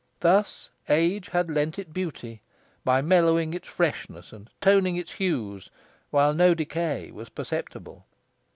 Thus age had lent it beauty, by mellowing its freshness and toning its hues, while no decay was perceptible.